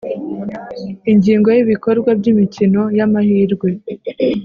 Ingingo yIbikorwa by imikino y amahirwe